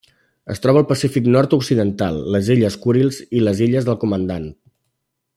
Es troba al Pacífic nord-occidental: les illes Kurils i les illes del Comandant.